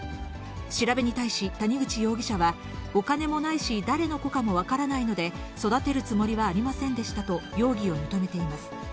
調べに対し、谷口容疑者は、お金もないし、誰の子かも分からないので、育てるつもりはありませんでしたと、容疑を認めています。